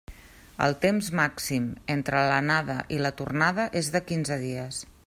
El temps màxim entre l'anada i la tornada és de quinze dies.